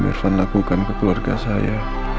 yang om irfan lakukan ke keluarga saya